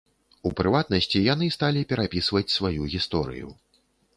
У прыватнасці, яны сталі перапісваць сваю гісторыю.